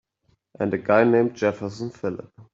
And a guy named Jefferson Phillip.